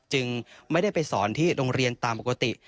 จึงไม่ได้ไปสอนที่โรงเรียนตามปกติ